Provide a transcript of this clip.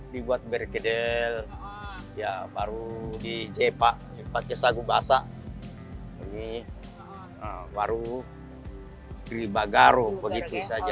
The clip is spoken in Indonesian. dibuat berkedel baru dijepak pakai sagu basah baru grill bagaro begitu saja